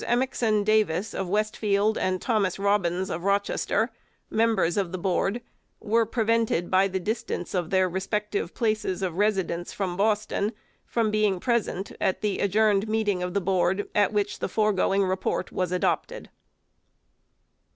EMEKSON DAVIS of Westfield, and THOMAS ROBBINS of Rochester, members of the Board, were prevented, by the distance of their respective places of residence from Boston, from being present at the adjourned meeting of the Board at which the foregoing report was adopted.